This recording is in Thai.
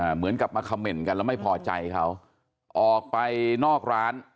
เหมือนกับมาคำเมนต์กันแล้วไม่พอใจเขาออกไปนอกร้าน